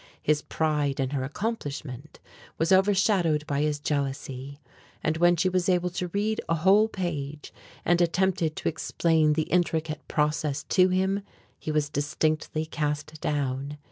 His pride in her accomplishment was overshadowed by his jealousy, and when she was able to read a whole page and attempted to explain the intricate process to him, he was distinctly cast down.